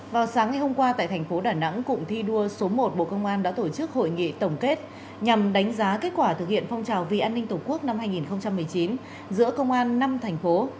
vào sáng ngày hôm qua tại thành phố đà nẵng cụm thi đua số một bộ công an đã tổ chức hội nghị tổng kết nhằm đánh giá kết quả thực hiện phong trào vì an ninh tổ quốc năm hai nghìn một mươi chín giữa công an năm thành phố